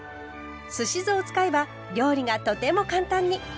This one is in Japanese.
すし酢を使えば料理がとても簡単に！